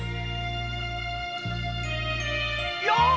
よう！